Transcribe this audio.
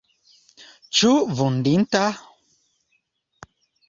Ĉu vundita?